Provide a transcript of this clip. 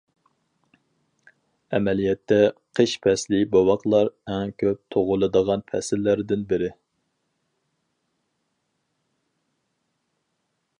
ئەمەلىيەتتە، قىش پەسلى بوۋاقلار ئەڭ كۆپ تۇغۇلىدىغان پەسىللەردىن بىرى.